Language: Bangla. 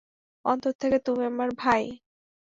অন্তর থেকে, তুমি আমার ভাই।